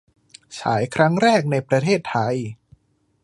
ฉายครั้งแรกในประเทศไทย !